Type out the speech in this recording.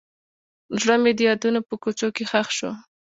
زړه مې د یادونو په کوڅو کې ښخ شو.